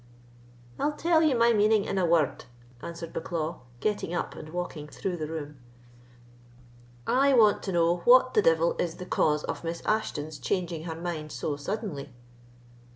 "I'll tell you my meaning in a word," answered Bucklaw, getting up and walking through the room; "I want to know what the devil is the cause of Miss Ashton's changing her mind so suddenly?"